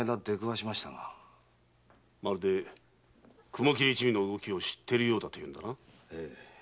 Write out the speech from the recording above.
まるで雲切一味の動きを知っているようだというのだな？